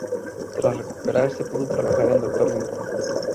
Tras recuperarse pudo trabajar en "Dr. med.